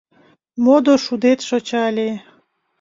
Модо шудет шочале.